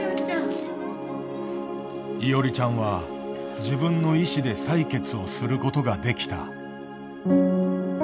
いおりちゃんは自分の意思で採血をすることができた。